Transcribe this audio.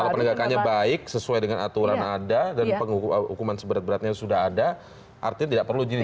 kalau penegakannya baik sesuai dengan aturan ada dan hukuman seberat beratnya sudah ada artinya tidak perlu dini